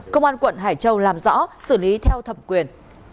công an quận hải châu làm rõ xử lý theo thẩm quyền